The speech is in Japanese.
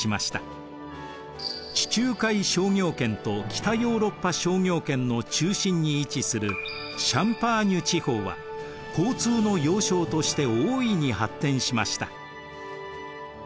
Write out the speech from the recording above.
地中海商業圏と北ヨーロッパ商業圏の中心に位置するシャンパーニュ地方は交通の要衝として大いに発展しました。